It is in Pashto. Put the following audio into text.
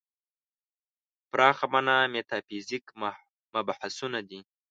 په پراخه معنا میتافیزیک مبحثونه دي.